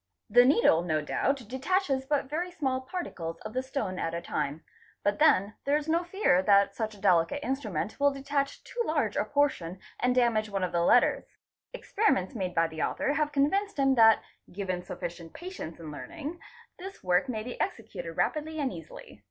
The needle no doubt detaches but very small particles of the stone at a time, but then there is no fear that such a | FALSE STAMPS AND SEALS 787 delicate instrument will detach too large a portion and damage one of the letters. Experiments made by the author have convinced him that, given sufficient patience in learning, this work may be executed rapidly and easily.